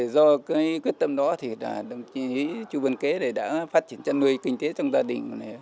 do cái quyết tâm đó thì đồng chí chú vân kế đã phát triển cho nuôi kinh tế trong gia đình